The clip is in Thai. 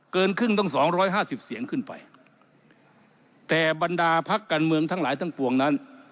เกินครึ่งต้องสองร้อยห้าสิบเสียงขึ้นไปแต่บรรดาพักการเมืองทั้งหลายทั้งปวงนั้น